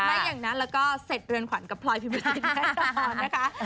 ไม่อย่างนั้นเราก็เสร็จเรือนขวัญกับพลอยในประสิทธิ์น่ะนะคะ